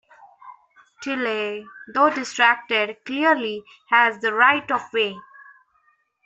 Tilley, though distracted, clearly has the right of way.